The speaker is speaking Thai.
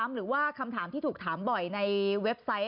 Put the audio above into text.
หรือว่าคำถามที่ถูกถามบ่อยในเว็บไซต์